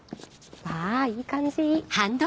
わいい感じ！